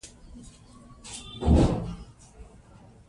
لیکوال د خپلې استعفا لاملونه بیان کړي دي.